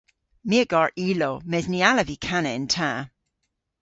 My a gar ilow mes ny allav vy kana yn ta.